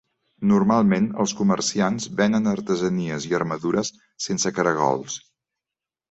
Normalment, els comerciants venen artesanies i armadures sense caragols.